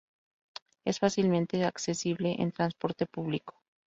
Es fácilmente accesible en transporte público.